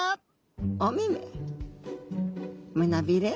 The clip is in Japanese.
おめめ胸びれ。